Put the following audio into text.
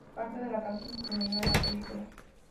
Parte de la canción se eliminó en la película.